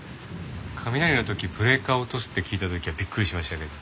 雷の時ブレーカーを落とすって聞いた時はびっくりしました。